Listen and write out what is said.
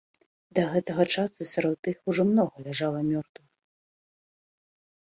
Да гэтага часу сярод іх ужо многа ляжала мёртвых.